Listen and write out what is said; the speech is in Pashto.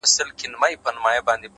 دغه ساغر هغه ساغر هره ورځ نارې وهي.